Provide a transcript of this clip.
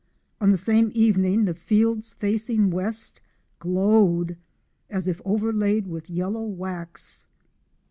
On the same evening the fields facing west glowed as if overlaid with yellow wax.